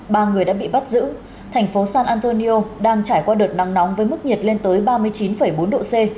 ba người đã bị bắt giữ thành phố san antonio đang trải qua đợt nắng nóng với mức nhiệt lên tới ba mươi chín bốn độ c